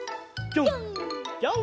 ぴょんぴょん。